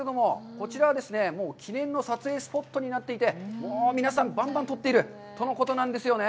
こちらはですね、記念の撮影スポットになっておりまして、皆さん、ばんばん撮っているとのことなんですよね。